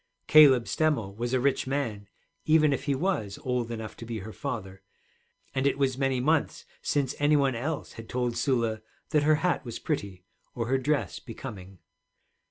Caleb Stemmel was a rich man even if he was old enough to be her father, and it was many months since any one else had told Sula that her hat was pretty or her dress becoming.